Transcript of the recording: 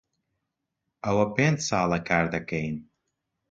ئەوە پێنج ساڵە کار دەکەین.